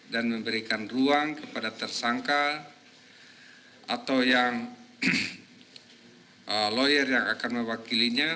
dan memberikan ruang kepada tersangka atau yang lawyer yang akan mewakilinya